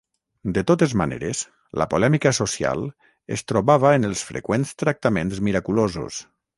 De totes maneres, la polèmica social es trobava en els freqüents tractaments miraculosos.